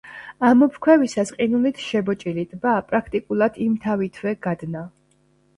ამოფრქვევისას ყინულით შებოჭილი ტბა პრაქტიკულად იმთავითვე გადნა.